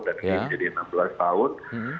dan ini jadi enam belas tahun